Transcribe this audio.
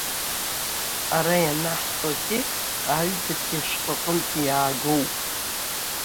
Ара ианаҳҵо атекст аҩбатәи ашәҟәы аҟнытә иаагоуп.